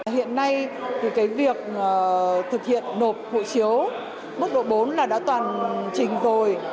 hiện nay việc thực hiện nộp hộ chiếu mức độ bốn đã toàn trình rồi